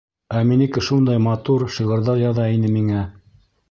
Ә минеке шундай матур шиғырҙар яҙа ине миңә!